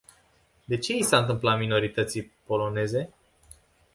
De ce i s-a întâmplat minorității poloneze?